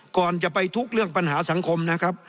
ก่อนจะไปทุกข์เรื่องปัญหาสังคมนะครับ